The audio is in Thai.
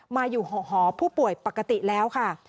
มาอยู่หอผู้ป่วยปกติแล้วค่ะ